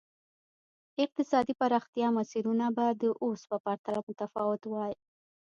اقتصادي پراختیا مسیرونه به د اوس په پرتله متفاوت وای.